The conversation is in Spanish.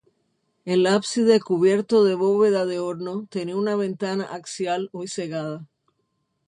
El ábside cubierto de bóveda de horno tenía una ventana axial, hoy cegada.